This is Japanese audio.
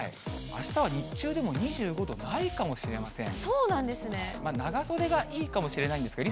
あしたは日中でも２５度ないかもしれません。